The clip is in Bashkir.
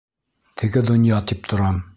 Теге донъя тип торам.